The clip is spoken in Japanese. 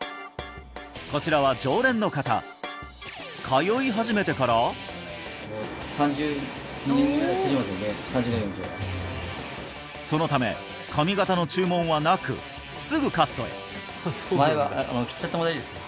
こちらは常連の方通い始めてから３０年以上はそのため髪形の注文はなくすぐカットへ前は切っちゃって大丈夫です